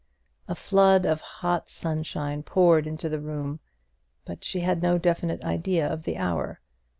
A flood of hot sunshine poured into the room, but she had no definite idea of the hour.